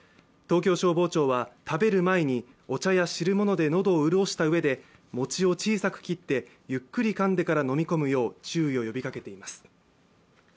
東京消防庁は、食べる前にお茶や汁物で喉を潤したうえで餅を小さく切ってゆっくりかんでから飲み込むよう注意を呼びかけています。